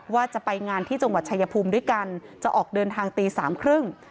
ว่าจะไปงานที่จังหวัดชายภูมิด้วยกันจะออกเดินทางตีสามครึ่ง